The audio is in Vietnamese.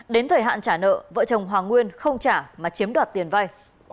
đến thời hạn trả nợ vợ chồng hoàng nguyên không trả mà chiếm đoạt tiền vay